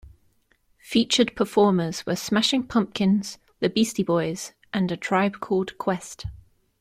Featured performers were Smashing Pumpkins, The Beastie Boys, and A Tribe Called Quest.